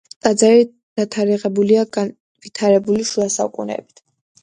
ტაძარი დათარიღებულია განვითარებული შუა საუკუნეებით.